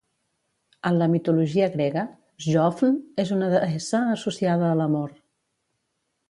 En la mitologia grega, Sjöfn és una deessa associada a l'amor.